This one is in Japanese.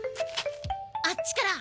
あっちから！